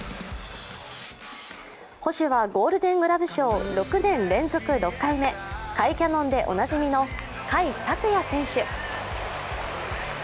捕手はゴールデン・グラブ賞６年連続６回目、甲斐キャノンでおなじみの甲斐拓也選手。